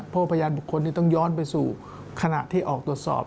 เพราะพยานบุคคลนี้ต้องย้อนไปสู่ขณะที่ออกตรวจสอบ